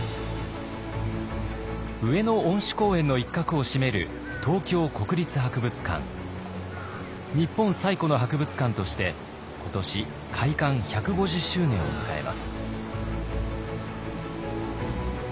上野恩賜公園の一角を占める日本最古の博物館として今年開館１５０周年を迎えます。